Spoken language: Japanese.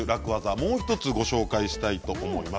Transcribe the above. もう１つ紹介したいと思います。